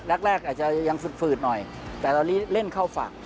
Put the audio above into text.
แรกอาจจะยังฝึกหน่อยแต่เราเล่นเข้าฝัก